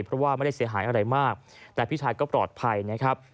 เพราะว่าไม่ได้เสียหายอะไรมากแต่พี่ชายก็ปลอดภัยนะครับ